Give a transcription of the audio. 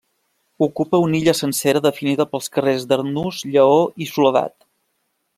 Ocupa una illa sencera definida pels carrers d'Arnús, Lleó i Soledat.